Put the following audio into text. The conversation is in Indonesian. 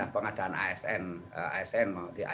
pengadaan asn asn maupun yang